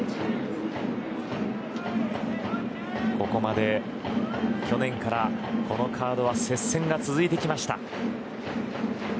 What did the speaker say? ここまで去年からこのカードは接戦が続いてきました。